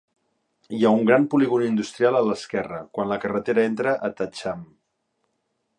Hi ha un gran polígon industrial a l'esquerra, quan la carretera entra a Thatcham.